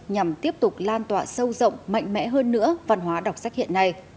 nhằm tiếp tục lan tỏa sâu rộng mạnh mẽ hơn nữa văn hóa đọc sách hiện nay